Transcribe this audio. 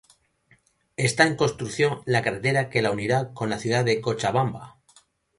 Está en construcción la carretera que la unirá con la ciudad de Cochabamba.